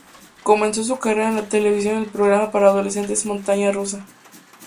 Comenzó su carrera en la televisión en el programa para adolescentes "Montaña rusa".